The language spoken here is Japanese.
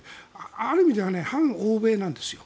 ある意味で反欧米なんですよ。